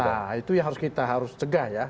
s satu nah itu yang harus kita cegah ya